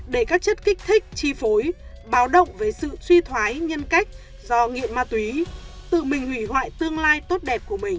để các chất kích thích chi phối báo động về sự suy thoái nhân cách do nghiện ma túy tự mình hủy hoại tương lai tốt đẹp của mình